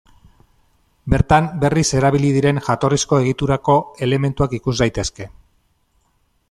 Bertan berriz erabili diren jatorrizko egiturako elementuak ikus daitezke.